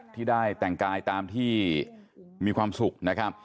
ที่ได้แต่งกายตามที่มีความสุขนะครับ